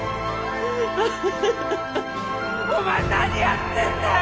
お前何やってんだよ！